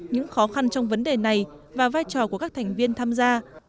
những khó khăn trong vấn đề này và vai trò của các thành viên tham gia